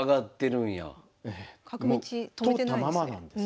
もう通ったままなんですね。